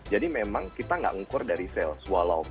jadi memang kita gak ngukur dari sales